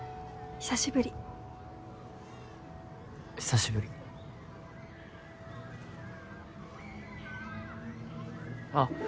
久しぶり久しぶりあっ